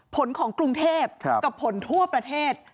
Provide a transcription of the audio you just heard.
ของกรุงเทพกับผลทั่วประเทศ